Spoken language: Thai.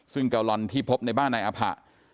ซึ่งเกาลอนที่พบในบ้านนายอภะ